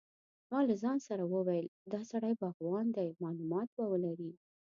ما له ځان سره وویل چې دا سړی باغوان دی معلومات به ولري.